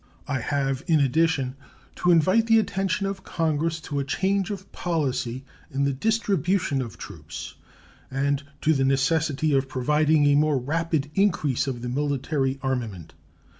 I have, in addition, to invite the attention of Congress to a change of policy in the distribution of troops and to the necessity of providing a more rapid increase of the military armament.